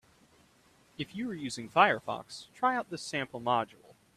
If you are using Firefox, try out this sample module.